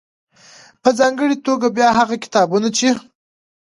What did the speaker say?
.په ځانګړې توګه بيا هغه کتابونه چې